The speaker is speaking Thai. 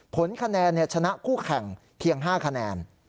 ผลคะแนนชนะคู่แข่งเพียง๕คะแนน